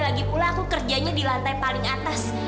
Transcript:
lagi pula aku kerjanya di lantai paling atas